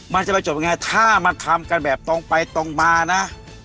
มันจะไปจบยังไงถ้ามันทำกันแบบตรงไปตรงมานะ